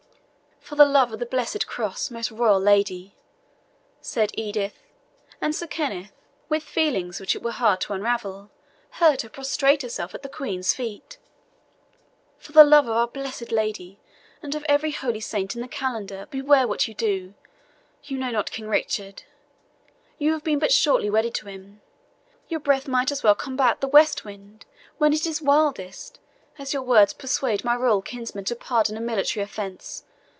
"For the love of the blessed Cross, most royal lady," said Edith and Sir Kenneth, with feelings which it were hard to unravel, heard her prostrate herself at the Queen's feet "for the love of our blessed Lady, and of every holy saint in the calendar, beware what you do! You know not King Richard you have been but shortly wedded to him. Your breath might as well combat the west wind when it is wildest, as your words persuade my royal kinsman to pardon a military offence.